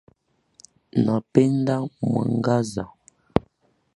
Napenda mwangaza